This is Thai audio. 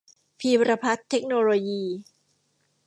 พีรพัฒน์ เทคโนโลยี